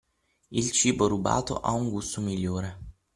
Il cibo rubato ha un gusto migliore.